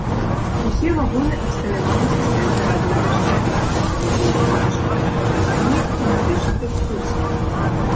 Усе вагоны абсталяваны сістэмай радыёвяшчання для правядзення музычнага суправаджэння і тэматычных экскурсій.